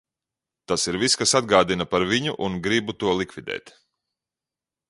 Tas ir viss, kas atgādina par viņu un gribu to likvidēt!